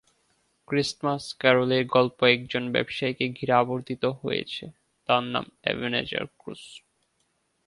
Christmas ক্যারোলের গল্প একজন ব্যবসায়ীকে ঘিরে আবর্তিত হয়েছে, তার নাম এবেনেজার স্ক্রুজ।